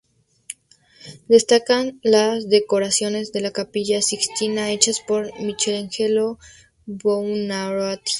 Destacan las decoraciones de la Capilla Sixtina hechas por Michelangelo Buonarroti.